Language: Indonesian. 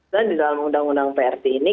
dan di dalam undang undang prt ini